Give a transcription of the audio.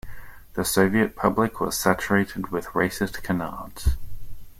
The Soviet public was saturated with racist canards.